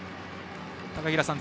高平さん